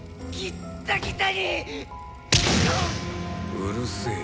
うるせえよ